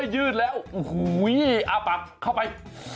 เย็นแล้วอ๋อภักดี